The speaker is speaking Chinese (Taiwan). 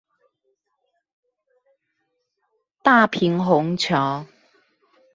大平紅橋